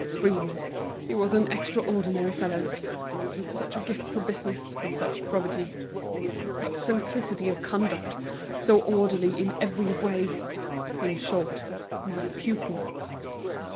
Really he was an extraordinary fellow: with such a gift for business, and such probity, such simplicity of conduct, so orderly in every way—in short, my pupil."